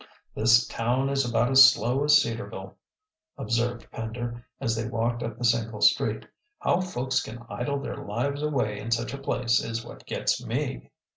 "This town is about as slow as Cedarville," observed Pender, as they walked up the single street. "How folks can idle their lives away in such a place is what gets me."